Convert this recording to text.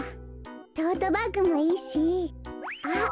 トートバッグもいいしあっ